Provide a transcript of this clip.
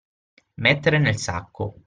Mettere nel sacco.